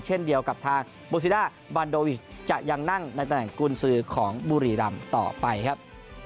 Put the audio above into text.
เช่นเดียวกับทางโบซิด้าบันโดวิชจะยังนั่งในตำแหน่งกุญสือของบุรีรำต่อไปครับ